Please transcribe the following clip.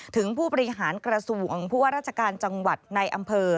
ผู้บริหารกระทรวงผู้ว่าราชการจังหวัดในอำเภอ